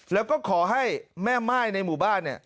แล้วก็ขอให้แม่ม่ายในหมู่บ้านเนี่ย